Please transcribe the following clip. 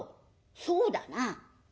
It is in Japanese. そうだな。